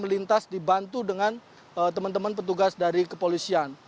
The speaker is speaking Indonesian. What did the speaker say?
lintas dibantu dengan teman teman petugas dari kepolisian